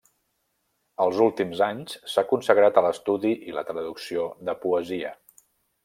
Els últims anys, s'ha consagrat a l'estudi i la traducció de poesia.